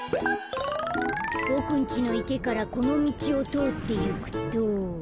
ボクんちのいけからこのみちをとおっていくと。